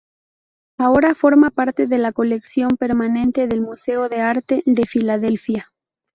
Ahora forma parte de la colección permanente del Museo de Arte de Filadelfia.